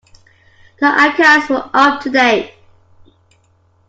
The accounts were up to date.